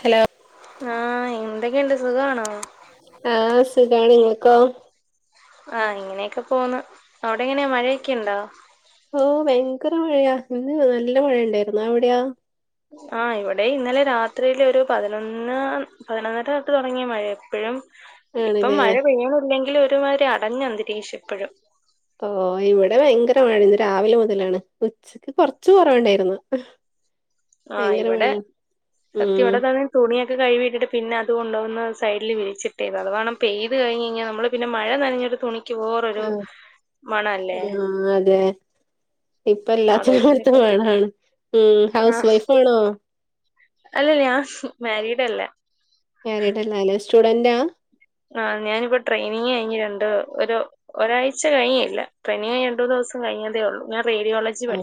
Hello ആഹ് എന്തൊക്കെണ്ട് സുഖാണോ ആഹ് സുഖാണ് ഇങ്ങക്കോ ആഹ് ഇങ്ങെനെക്കെ പോന്ന് അവ്ടെ എങ്ങനേ മഴേക്കെ ഇണ്ടോ ഓഹ് ഭയ്ങ്ക്ര മഴയാ ഇന്ന് നല്ല മഴ ഇണ്ടാര്ന്നു അവിടെയാ ആഹ് ഇവടെം ഇന്നലെ രാത്രീല് ഒര് പതിനൊന്ന് പതിനൊന്നര തൊട്ട് തൊടങ്ങിയ മഴ ഇപ്പഴും ഇപ്പം ആണല്ലേ മഴ പെയ്യ്ണില്ലെങ്കിൽ ഒരുമാരി അടഞ്ഞ അന്തരീഷം ഇപ്പഴും ഓഹ് ഇവിടെ ഭയങ്കര മഴ ന്ന് രാവിലെ മുതലാണ് ഉച്ചക്ക് കൊർച്ച് കൊറവുണ്ടേര്ന്നു. [inaudible] ആഹ് ഇവടെ സത്യവടതാണ്. തുണിയൊക്കെ കഴിവിട്ടിട്ട് പിന്നതു കൊണ്ടോന്ന് സൈഡില് വിളിച്ചിട്ടേവ അത് വണം പെയ്ത് കഴിഞ്ഞ്ഴിഞ്ഞാൽ നമ്മള്. പിന്നെ മഴ നനഞ്ഞൊരു തുണിക്ക് വേറൊരു ആഹ് മണല്ലേ? ആഹ് അതെ ഇപ്പ എല്ലാത്തിനും അതുകൊണ്ട് [unintelligible] പിന്നെ വേണാണ് ഹും ഹൗസ് ആഹ് വൈഫാണോ അല്ലല്ല ഞാ മാരിഡല്ല. മാരിഡ് അല്ല ലെ സ്റ്റുഡന്റാ? ആഹ് ഞാനിപ്പൊ ട്രെയിനിങ് കഴിഞ്ഞ് രണ്ടു ഒരു. ഒരാഴ്ച കഴിഞ്ഞില്ല ട്രെയിനിങ് കയ്ഞ്ഞ് രണ്ടു ദുവസം കയ്ഞതേ ഒള്ളൂ ഞാ റേഡിയോള അ്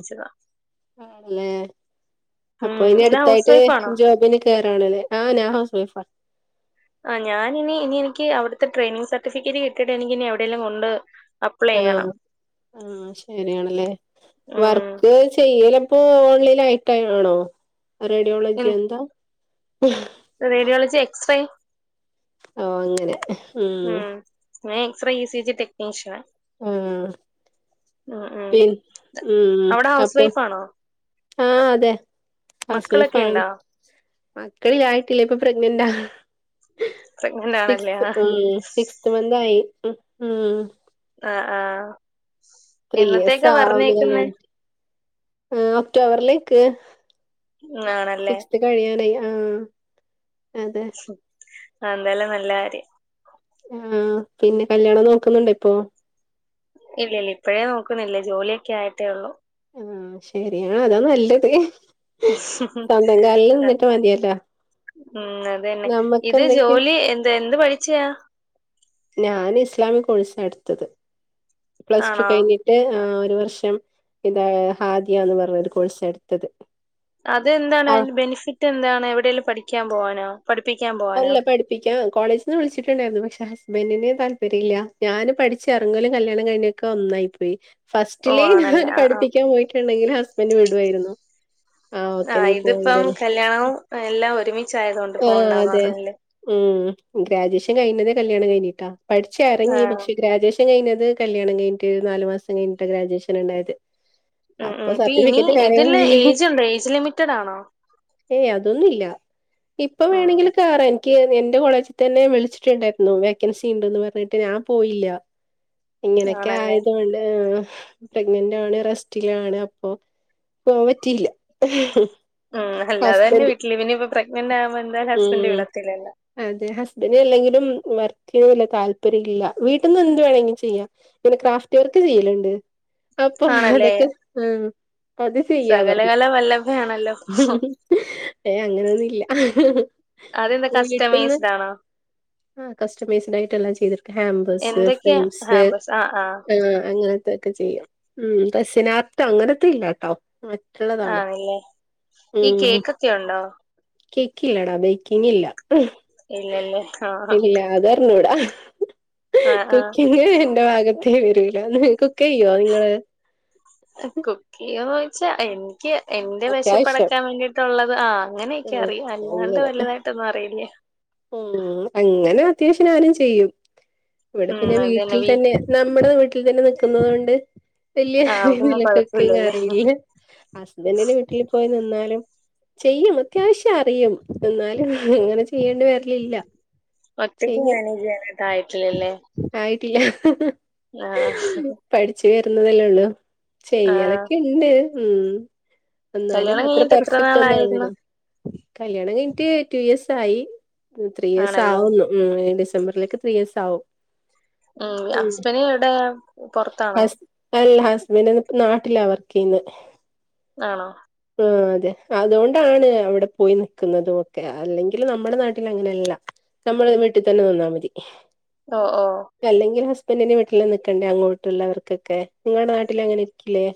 ആഹ് ന്നേ അപ്പൊ ഉം ഇനി ഇന്ന് ഹൗസ് അട്ത്തായ്ട്ട് വൈഫ് ആണോ ജോബിന്. കേറാണ്ലേ ആഹ് ഞാ ഹൗസ് വൈഫ. അ ഞാനിനി ഇനി എനിക്ക് അവിട്ത്തെ ട്രയിനിങ് സർട്ടിഫിക്കറ്റ് കിട്ടിട്ട് എനിക്കിനി അവിടെലും ഉണ്ട്. ആഹ് ആഹ് ശരിയാണല്ലേ ഉം വർക്ക് ചെയ്യല് ഇപ്പോ ഓൺലൈൻ ആയിട്ട് തന്നേ ആണോ റേഡിയോളജി ഉം എന്താ റേഡിയോളജി എക്സ്റേ ഓ അങ്ങനെ ഉം. മേ x ray E C G technician. ആഹ്. ഉം പി ഉം അവിടെ ഹൗസ് അപ്പൊ വൈഫ് ആണോ ആഹ് അതെ. ഹൗസ് വൈഫ് മക്കളൊക്കെ ആണ് ഉണ്ടോ? മക്കളിലായിട്ടില്ല ഇപ്പ പ്രഗ്നന്റ. പ്രഗ്നന്റ് ആണല്ലേ സിക്സ് ആഹ് ഉം സിക്സ്ത് മന്ത്‌ ആയി ഹ ഹാ. ആഹ ആഹ. ത്രീ യിയെസ് ആവുന്നു കല്യാണം ആ ഒക്ടോബറിലേക്ക് ഉം ആണല്ലേ. കഴിയാനയി ആഹ് അതെ. ആഹ് അല്ലേലും നല്ല കാര്യം ആഹ് പിന്നെ കല്യാണം നോക്കുന്നുണ്ട ഇപ്പൊ? ഇല്ലില്ല ഇപ്പോഴേ നോക്കുന്നില്ലേ ജോലിയൊക്കെ ആയിട്ടേ ഉള്ളൂ. ആഹ ശരിയാണ് അതാ നല്ലത് സ്വന്തം കാലിൽ നിന്നിട്ട് മതിയല്ലോ. ഉം അത തന്നെ നമ്മക്ക് ഇത് എന്തെങ്കിലും ജോലി എന്താ എന്ത് പഠിച്ചയാ? ഞാൻ ഇസ്ലാമി കോഴ്സ് എടുത്തത് പ്ലസ് ടു ആണോ? കഴിഞ്ഞ ട്ട് ഒരു വർഷം എന്താ ഹാദിയന്ന് പറഞ്ഞ ഒരു കോഴ്സാഎടുത്തത്. അതെന്താണ് അതിന്റെ ബെനിഫിറ്റ് എന്താണ് എവിടെേങ്കലും പഠിക്കാൻ പോവാനോ പഠിപ്പിക്കാൻ പോവാനോ. അല്ല പഠിപ്പിക്കാൻ കോളേജിൽ നിന്ന് വിളിച്ചിട്ടുണ്ടായിരുന്നു പക്ഷെ ഹസ്‌ബൻഡനെ താല്പര്യല്ല ഞാന് പഠിച്ച് എറങ്ങോലും കല്യാണം കഴിഞ്ഞ ഒന്നായി പോയി ഓ ഫസ്റ്റിലേ ആണല്ലേ ഞൻ ആഹ് ആഹ്. പഠിപ്പിക്കാൻ പോയിട്ടുണ്ടെങ്കിൽ ഹസ്ബൻഡ് വിടുയിരുന്നു. ആ ഇതിപ്പം കല്യാണവും എല്ലാം ഒരുമി ആഹ് അതെ ഉം ഗ്രാജുവേഷൻ കഴിഞ്ഞതേ കല്യാണം കഴിഞ്ഞിട്ടാ. പഠിച്ച ഇറങ്ങി ആഹ് പക്ഷെ ഗ്രാജുവേഷൻ കഴിഞ്ഞത് കല്യാണം കഴിഞ്ഞിട്ട് നാല് മാസം കഴിഞ്ഞിട്ട് ഗ്രാജുവേഷൻ ഉണ്ടായത്. ഉം അപ്പൊ ഉം ഇ ഇനി സർട്ടിഫിക്കറ്റ് ഇതില് കാര്യങ്ങളായി ഏജ്ണ്ടോ ഏജ് ലിമിറ്റഡ് ആണോ? ഏയ് അതൊന്നുംല്ല ഇപ്പൊ ഉം വേണെങ്കിൽ കേയറാ എനിക്ക് എന്റെ കോളേജിൽ തന്നെ വിളിച്ചിട്ടുണ്ടായിരുന്നു വേക്കൻസി ഉണ്ടന്ന് പറഞ്ഞിട്ട് ഞാൻ പോയില്ല. ഇങ്ങനെയൊക്കെ ആണല്ലേ? ആയതുകൊണ്ട് ആ പ്രഗ്നന്റ് ആണ് റെസ്റ്റിലാണ് അപ്പൊ പോവാാൻ പറ്റിയില്ല. ഉം അല്ലാതെ തന്നെ ഹസ്ബൻഡ് വിട്ടില്ല പിന്ന ഇപ്പ പ്രഗ്നന്റ് ആവുമ്പോ എന്തായാലും ഹസ്ബൻഡറ് ഉം വിടത്തില്ലല്ലോ. അതെ ഹസ്ബൻഡ അല്ലെങ്കിലും വർക്ക് ചെയ്യുന്നല്ല താല്പര്യം ഇല്ല വീട്ടിൽന്നന്ന് എന്ത് വേണമെങ്കിലും ചെയ്യാം. ഇങ്ങനെ ക്രാഫ്റ്റ് വർക്ക് ചെയ്യലുണ്ട് അപ്പൊ ആണല്ലേ അതൊക്കെ ആഹ് അത് ചെയ്യാ പറഞ്ഞു. സകലകല വല്ലഭയാണല്ലോ ഹ ഹു ഏയ് അങ്ങനെ ഒന്നും ഇ ഹ അതെന്താ ഹ് കസ്റ്റമൈസ്ഡ് ആണോ വീട്ടിൽന്ന് ആഹ കസ്റ്റമൈസഡ ആയിട്ട് ചെയ്തടക്കും ഹേമ്പർസ് എന്തൊക്കെയാ ഫ്രെയിംസ് ഹാമ്പസ് ആ ആ ആഹ് അങ്ങനത്തെൊക്കെ ചെയ്യും ഉം റെസിൻആർട് അങ്ങനത്തെ ഇല്ലാട്ടോ. മറ്റുള്ളതാണ് ആണല്ലേ ഈ ഉം. [unintelligible] ഉണ്ടോ? കേക്കില്ലാടാ ബേക്കിംഗ്ഇല്ല ഇല്ലല്ലേ ആ ഇല്ല അതറിഞ്ഞൂടാ ഹ് ആ ആ കുക്കിങ് എന്റെ ഭാഗത്തേ വരൂല കുക്ക് ചെയ്യോ നിങ്ങള്. കുക്കിന്ന് ചോദച്ചാ എനിക്ക് എന്റെ അത്യാവശ്യം വിശപ്പെടക്കാൻ വേണ്ടിട്ട് ള്ളത് ആ അങ്ങനെയൊക്കെ ഉം അറിയാം അല്ലാണ്ട് അങ്ങനെ വലുതായിട്ടൊന്നും അറിയില്ല. ഉം അങ്ങനെ അത്യാവശ്യം ഞാനും ചെയ്യും ഇവിടെ ഉം പിന്നെ അതന്നെ വീട്ടിൽ വി തന്നെ നമ്മുടെ വീട്ടിൽ തന്നെ നിക്കുന്നുന്നത് കൊണ്ട് ആ പിന്നെ വലിയീതില്ല കുക്കിംഗ് കൊഴപ്പില്ലല്ലേ അറിയില്ല. ഹസ്ബൻറിന്റെ വീട്ടിൽ പോയി നിന്നാലും ചെയ്യും അത്യാവശ്യം അറിയും എന്നാലും അങ്ങനെ ചെയ്യേണ്ടി വരലില്ല. ഒറ്റയ്ക്ക് ചെയ്യും മാനേജ് ചെയ്യാനായിട്ട് ആയിട്ടില്ലല്ലേ. ആയിട്ടില്ല ഹ ഹേ. ആഹ് പഠിച്ചവരുന്നതല്ലേ ഉള്ളൂ ആ ചെയ്യലൊക്കെ ഉണ്ട് ഉം എന്നാലും കല്യാണം അത്ര കഴിഞ്ഞിട്ട് എത്ര പെർഫെക്റ്റ് ഒന്നാണില്ല. നാളായിരുന്നു കല്യാണം കഴിഞ്ഞിട്ട് ടു ഇയേർസ് ആയി ത്രീ ഇയേർസ് ആണല്ലോ ആവുന്നു. ഉം ഡിസംബറിലേക്ക് ത്രീയേഴ്സ് ആവും. ആഹ് ഉം ഹസ്ബന് എവിടെ പൊർത്താണോ? ഹസ് അല്ല ഹസ്ബൻഡ് നാട്ടിലാ വർക്കയ്യ്ന്നേ. ആണോ? ആ അതെ അതൊണ്ടാണ് അവിടെ പോയി ന്ന്ക്ക്ന്നൊത് ഒക്കെ അല്ലെങ്കിൽ നമ്മുടെ നാട്ടിൽ അങ്ങനെല്ല. നമ്മള് വീട്ട് തന്നെ നിന്നാ മതി. ഓ ഓ എല്ലെങ്കിൽ ഹസ്ബൻഡറിന്റെ വീട്ട്ലാ നിക്കണ്ടേ അങ്ങോട്ടുള്ളവർക്കൊക്കെ. നിങ്ങടെ നാട്ടിൽ അങ്ങനെ ഇരിക്കില്ലേ?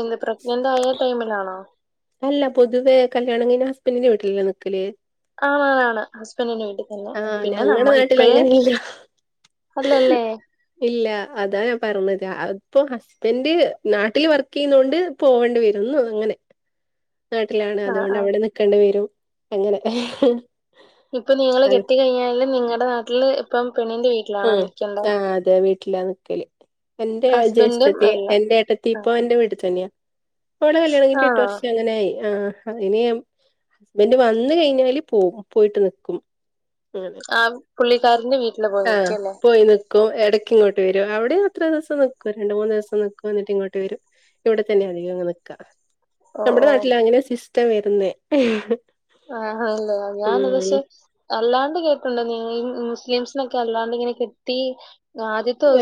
എന്ത് പ്രഗ്നന്റ് ആയ ടൈമിലാണോ? അല്ല പൊതുവെ കല്യാണം കഴിഞ്ഞ ഹസ്ബൻഡറിന്റെ വീട്ട്ലല്ലേ നിക്കല്. ആണാണാണ് ഹസ്ബൻറിന്റെ വീട്ട്ൽ. ഹെലോ ആഹ് പിന്നെ ഞങ്ങടെ നമ്മൾ നാട്ടിൽ ഇപ്പഴേ അങ്ങനെയില്ല അല്ലല്ലേ ഇല്ല അതാ ഞാൻ പറഞ്ഞത് അപ്പോ എന്റെ നാട്ട്ല് വർക്ക്യ്യുന്നോണ്ട് പോകേണ്ടി വരുന്നു അങ്ങനെ. നാട്ടിലാണ് ആ അതുകൊണ്ട് ആ അവിടെ നിക്കണ്ടി വരും അങ്ങനെ. ഇപ്പൊ നിങ്ങള് അത് കെട്ടി കഴിഞ്ഞാല് നിങ്ങടെ നാട്ട്ല് ഇപ്പം പെണ്ണിന്റെ വീ ഉം ആ അതെ വീട്ടിലാ നിക്കല്. എന്റെ ഹസ്ബൻഡും ജേഷ്ഠത്തി അല്ല എന്റെ ഏട്ടത്തി ആ ഇപ്പൊ എന്റെ വീട്ട്ത്തന്യ. ഓളെ കല്യാണ കഴിഞ്ഞി എട്ട് ആണോ വർഷം ആകാനായി ആഹ്. അ [unintelligible] വന്ന് കഴിഞ്ഞാല് പോകും പോയിട്ട് നിക്കും അങ്ങനെ. ആ പുള്ളിക്കാരൻ്റെ വീ ആഹ് പോയിന് പ്പോ എടയ്ക്ക് ഇങ്ങോട്ട് വരും അവിടെ അത്ര ദിവസ ന്ന്ക്കും രണ്ട്, മൂന്ന് ദിവസം ന്ന്ക്കും എന്നിട്ട് ഇങ്ങോട്ട് വരും. ഇവിടെ തന്നെയ അതികം അങ്ങ് ന്ന്ക്ക ഓ നമ്മുടെ ഓ നാട്ടിൽ അങ്ങനെ സിസ്റ്റം വരുന്നേ. ആഹ് ഹ് [unintelligible] ഉം ഞാൻ ഒരുസം. അല്ലാണ്ട് കേക്കുണ്ട് [unintelligible] മുസ്ലിംസിനൊക്കെ അല്ലാണ്ട് ഇങ്ങനെ കിട്ടി.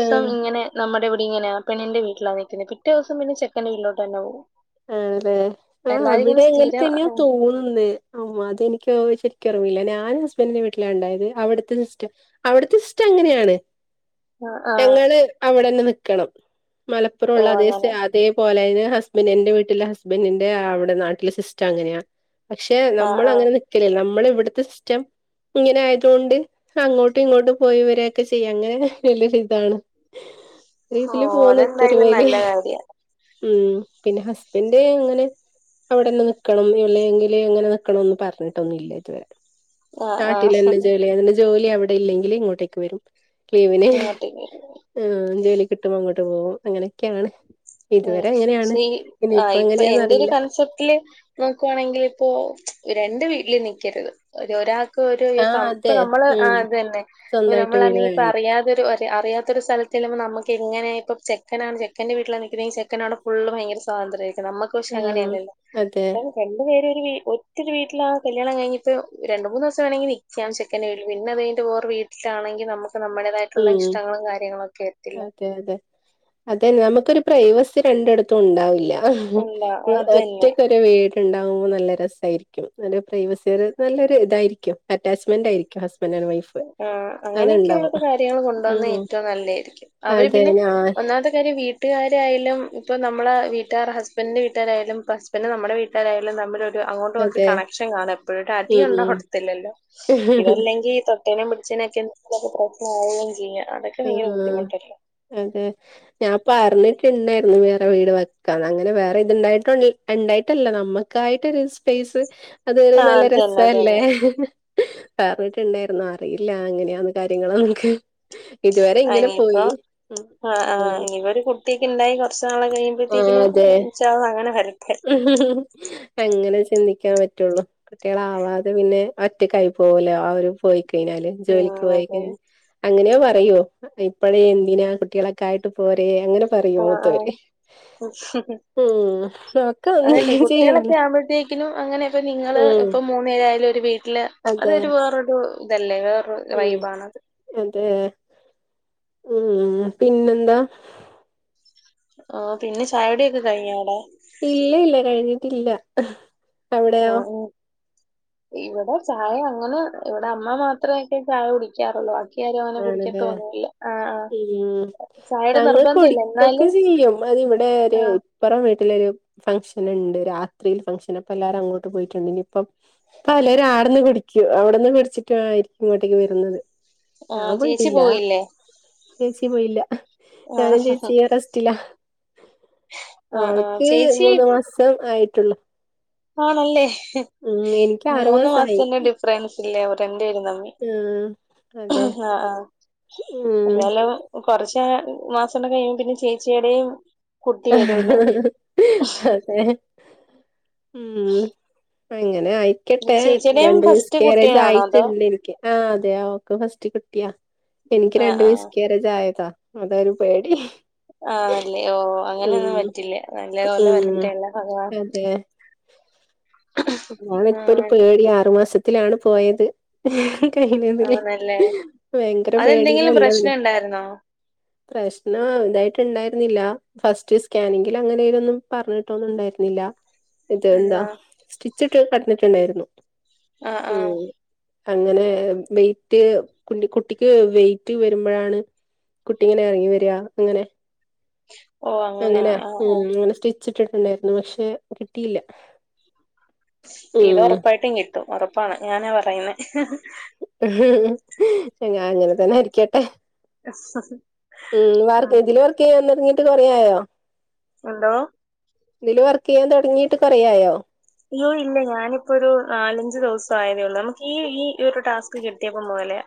ആഹ് ഇങ്ങനെ. നമ്മുടെ ഇവിടെ ഇങ്ങനെയ പെണ്ണിന്റെ വീട്ടിലാ നിൽക്കുന്നത്. പിറ്റേ ദിവസം പിന്നെ ചെക്കന്റെ വീട്ടിലോട്ട് തന്നെ പോകും. ആഹ് തെ എല്ലാരും ഇങ്ങനെ അവിടെ അങ്ങനെ സ്ഥിരം തന്നെയാ ആ തോന്നുന്നേ. ഓ അതെനിക്ക് ശരിക്ക ഓർമ്മല്ല്യ ഞാൻ ഹസ്ബൻഡിന്റെ വീട്ട്ലാ ഇണ്ടായത് അവിടുത്തെ സിസ്റ്റ അവ്ട്ത്തെ സ്റ്റം അങ്ങനെയാണ്. ആ ആ, ഞങ്ങള് അവിടെന്നെ ന്ന്ക്കണം ഓ മലപ്പുറള്ള അതേ അങ്ങനെ സാ അതേ പോലെന് ഹസ്ബൻഡ് എന്റെ വീട്ട്ലെ ഹസ്ബൻഡിന്റെ അവ്ടെ നാട്ടിലെ സിസ്റ്റം അങ്ങനെയാ. പക്ഷെ ആ നമ്മൾ ആ അങ്ങനെ നിക്കല് നമ്മൾ ഇവ്ട്ത്തെ സിസ്റ്റം. ഇങ്ങനെ ആയത് കൊണ്ട് അങ്ങോട്ടും ഇങ്ങോട്ടും പോയിവരൊക്കെ ചെയ്യാം അങ്ങനെ വല്ലൊരു ഇതാണ്. ഓ ഇതില് അതെന്തായാലും പോന്നത്തരുമേല് നല്ല കാര്യ ഉം പിന്നെ ഹസ്ബൻഡ് ഇങ്ങനെ. അവിടെന്നെ ന്ന്ക്കണം ഇല്ലങ്കിൽ അങ്ങനെ ന്ന്ക്കണംന്ന് പറഞ്ഞിട്ടൊന്നും ഇല്ല ഇതുവരെ. ആ ആ നാട്ടിലെന്നെ ജോലി അതിന്റെ ജോലി അവിടെ ഇല്ലെങ്കിൽ ഇങ്ങോട്ടേക്ക് വരും. ലീവിന് അങ്ങോട്ടേക്ക് ഹ് ജോലി കിട്ടുമ്പോൾ അങ്ങോട്ട് പോകും അങ്ങനെക്കെയാണ്. ഉം ഇതുവരെ ഇങ്ങനെയാണ്. പക്ഷേ ആ ഇപ്പൊ എന്റെ ഒരു കൺസെപ്റ്റ്ല് നോക്കുവാണെങ്കിൽ ഇപ്പോ രണ്ട് വീട്ടില് നിക്കരുത്. ഒരോ ഒരാ രു ആഹ് സം പ്പം അതെ നമ്മള് ആ ഉം തന്നെ സ്വന്തായിട്ട് വീട് നമ്മളെർഞ്ഞ് വേണം അറിയാതെരു അറിയാത്ത ഒരു സ്ഥലത്തി നമുക്ക് എങ്ങനെ ഇപ്പൊ ചെക്കനാണ് ചെക്കന്റെ വീട്ട്ലാ നി പിന്നെ ചെക്കനോടെ ഫുള്ള് ഭയങ്കര സ്വാതന്ത്രായിരിക്കും. നമ്മക്ക് പക്ഷെ ആഹ് അങ്ങനെയല്ലല്ലേ. അതെ രണ്ട് പേര് ഒരു വീ ഒറ്റ ഒരു വീട്ടിലാ കല്യാണം കഴ്ഞ്ഞിട്ട് രണ്ട്, മൂന്ന് ദിവസം വേണമെങ്കിൽ നിക്കാം ശെ പിന്നെ അത് കഴിഞ്ഞിട്ട് വേർ വീട്ടിലാണെങ്കിൽ നമുക്ക് നമ്മുടേതായിട്ടുള്ള ഉം ഇഷ്ടങ്ങളും കാര്യങ്ങളും ഒക്കെ എത്തില്ല. അതന്നെ നമുക്കൊരു പ്രൈവസി രണ്ട്ട്ത്തും ഉണ്ടാവില്ല ഇല്ല അത് തന്നെ ഒറ്റക്ക് ഒ ഒര് വീട്ണ്ടാകുമ്പോ നല്ല രസമായിരിക്കും ഒരു പ്രൈവസിയൊരു നല്ലൊരു ഇതായിരിക്കും അറ്റാച്ച്മെന്റായിരിക്കും ഹസ്ബൻഡ് ആൻ്റ് വൈഫ്‌. ആ അങ്ങനെയൊക്കെ ഉള്ള കാര്യങ്ങൾ കൊണ്ടോന്ന ഉം ഏറ്റവും നല്ലായിരിക്കും അവര് അതെ പിന്നെ ഞാൻ ഒന്നാ അതെക്കെരു വീട്ടുകാരയാലും ഇപ്പ നമ്മള വീട്ടാർ ഹസ്ബൻഡ്ന്റെ വീട്ടാരായാലും [unintelligible] പിന്നെ നമ്മുടെ വീട്ടാരായാലും തമ്മിൽ ഒരു അങ്ങോട്ടുംഇങ്ങോട്ടും അതെ കണക്ഷൻ കാണും എപ്പോഴും ഒരു അടി ഉം ഉണ്ടവത്തില്ലല്ലോ ഉം ഇതല്ലെങ്കിൽ. തൊട്ടേനും പിടിചേനൊക്കെ എന്തെകിലും പ്രശ്ന ആവുകയും ചെയ്യും ആഹ അതെ ഞാൻ പറഞ്ഞിട്ടുണ്ടായിരുന്നു വേറെ വീട് വെക്കാന്ന് അങ്ങനെ വേറെ ഇത്ണ്ടായിട്ടുണ്ട് ഉണ്ടായിട്ടല്ല നമുക്കായിട്ടൊരു സ്പേസ് അത് ഒരു ആഹ് നല്ല അതന്നെ രസല്ലേ അതന്നെ പററിഞ്ഞിട്ടുണ്ടായിരുന്നു അറിയില്ല എങ്ങനെയാന്ന് കാര്യങ്ങള് നമുക്ക് ഇതുവരെ ഇങ്ങനെ പോയി ഉം ആ് ആ് ഉം ഇനിപ്പൊ ഒരു കുട്ടിയൊക്കെ ഉണ്ടായി കുറച്ചു നാള് കഴിയുമ്പോഴത്തേക്കിനും അങ്ങനെ വരട്ടെ ഉം ഉം ഹും അങ്ങനെ ചിന്തിക്കാൻ പറ്റുള്ളൂ കുട്ടികളാവാതെ പിന്നെ ഒറ്റക്കായി പോവൂലേ ആ ഒരു പോയി കഴിഞ്ഞാല് ഉം ജോലിക്ക് അതാണ് പോയിക്കഴിഞ്ഞ ഇങ്ങനെയോ പറയോ ഇപ്പഴേ എന്തിനാ കുട്ടികളൊക്കായിട്ട് പോരെ അങ്ങനെ പറയും ആഹ് ആഹ് മൂത്തോര് ഉം ഒക്കെ അങ്ങനെ ചെയ്യാണ്ലേ ത്തിനും അങ്ങനെ ഇപ്പം നിങ്ങള് ഇപ്പം മൂന്ന്പേരായാലും ഒര് വീട്ട്ല് അത് അതെ ഒരു വേറൊരു ഇതല്ലേ വേറൊറ് ഉം വൈബാണത് അതെ ഉം പിന്നെന്താ ആഹ് പിന്നെ ചായുടിയൊക്കെ കഴിഞ്ഞോടാ ഇല്ല ഇല്ല കഴിഞ്ഞിട്ടില്ലാ ആന്ന് ഇവടെ ചായ അങ്ങനെ ഇവടെ അമ്മ മാത്രൊക്കെയേ ചായ കുടിക്കാറോള്ളൂ അ ും അങ്ങനെ ആണല്ലേ കുടിക്കത്തോന്നില്ല ആ ഉം ചായയുടെ ഞങ്ങൾ നിർബന്ധ ഇല്ല എന്നാലും [unintelligible] ചെയ്യും അതിവിടെ ഒരു ആഹ് ഇപ്പറം വീട്ടിലരു ഫംഗ്ഷന്ണ്ട് രാത്രി ഫംഗ്ഷൻ ഇപ്പ എല്ലാരും അങ്ങോട്ട് പോയിട്ടുണ്ട് ഇനിയിപ്പം അപ്പ പലരും ആട്ന്ന് കുടിക്കും അവിടുന്ന് കുടിച്ചിട്ടായിരിക്കും ഇങ്ങോട്ടേക്ക് വരുന്നത് ആഹ ഞാൻ ചേച്ചി പോയിട്ടില്ല പോയില്ലേ ചേച്ചി പോയില്ല ഞാനും ആഹ് ചേച്ചിയും റസ്റ്റില്ല ആഹ് ആഹ് അവൾക്ക് ചേച്ചി മൂന്ന് മാസം ആയിട്ടുള്ളൂ ആണല്ലേ എനിക്ക് ആറു മൂന്ന് മാസായി മാസത്തിന്റെ ഡിഫറൻസ് ഇല്ലേ അവരണ്ട്പേരും തമ്മി ഉം അതെ ആഹ ആഹ ഉം എന്നാലും കൊറച്ച് മാസംണ്ട കഴിയുമ്പ പിന്നെ ചേച്ചിയുടെയും കുട്ടി വരോല്ലോ അതെ ഉം അങ്ങനെ ആയി [unintelligible] ചേച്ചിയുടെയും രണ്ടു ഫസ്റ്റ് മിസ്കാരേജ് കുട്ടിയാണോ അതോ ആയിട്ടിട്ട് എനിക്ക് ആ അതെയ ഓക്ക ഫസ്റ്റ് കുട്ടിയാ എനിക്ക് ആഹ് രണ്ട ആഹ് മിസ്കിയാരെ ചായതാ അതൊരു പേടി ആഹ് നല്ല ഓ അങ്ങനെയൊന്നും ഉം പറ്റില്ല നല്ല പോലെ ഉം വരട്ടെല്ല ഭഗവാൻ ന്നാലും ഇപ്പോരു ആഹ് പേടി ആറു മാസത്തിലാണ് പോയത് വേം കഴിഞ്ഞതിലേയ് ആണല്ലേ ഭയങ്കര പേടില്ല അതെന്തെങ്കിലും പ്രശ്നം ഉള്ളതെന്നെ ഉണ്ടായിരുന്നോ പ്രശ്നം അതായിട്ട്ണ്ടായിരുന്നില്ല ഫസ്റ്റ് സ്കാനിങ്ങിലങ്ങെനേനൊന്നും പർഞ്ഞിട്ടൊന്നുണ്ടായ്ര്ന്നില്ല ഇത് ന്താ ആഹ് ചിട്ട കടന്നിട്ടുണ്ടായിരുന്നു ആഹ് ഉം ആഹ് അങ്ങനെ വെറ്റ് കു കുട്ടിക്ക് വെറ്റ് വരുമ്പോഴാണ് കുട്ടികൾങ്ങനെ ഇറങ്ങി വരിക ങ്ങനെ ഓഹ് അങ്ങനെ അങ്ങന അങ്ങനെ ആഹ് ഉം ആഹ് അങ്ങനെ സ്റ്റിച്ച ഇട്ടിട്ടുണ്ടായിരുന്നു പക്ഷെ കിട്ടില്ല ഇത് ഉറപ്പായിട്ടും കിട്ടും ഉറപ്പാണ് ഞാനാ പറയുന്നെ ങ്ങാ അങ്ങനെ തന്നെ ര്ക്കട്ടെ [unintelligible] ഉം വർക്ക തില് വർക്കെയാൻ തോട്ങ്ങിട്ട് കൊറയായോ എന്തോ ഇല് വർക്ക് ചെയ്യാൻ തുടങ്ങിയിട്ട് കുറയായോ അയ്യോ ഇല്ല ഞാനിപ്പൊരു നാലഞ്ചു ദിവസം ആയതേ ഉള്ളൂ നമുക്ക് ഈ ഈ ഒരു ടാസ്ക് കിട്ടയപ്പം മുതല്ലേ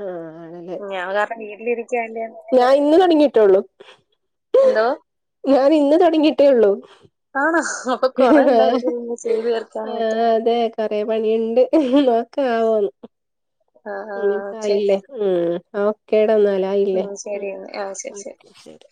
ആഹ് ആണല്ലേ ഞാൻ ഒരാസം വീട്ടിലിരിക്കല്ലെ ഞാൻ ഇന്ന് തുടങ്ങിട്ടള്ളു എന്തോ ഞാന് ഇന്ന് തുടങ്ങിയിട്ടേ ഉള്ളു ആണോ അപ്പൊ കൊറേ ഉണ്ടായിരിക്കുല്ലോ ചെയ്തുതീരാൻ ആഹ് അതെ കൊറെ പണിയുണ്ട് നോക്കാവോന്ന് ആ ആ ഉം ഓക്കെ. അയില്ലേ ഉം ഓക്കെ ടാ ന്നാല് ആയില്ലേ ഉം ശരി എന്നാ. ആ ശരി ശരി. ഓകെ ശെരി